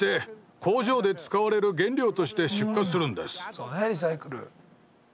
そうねリサイクル。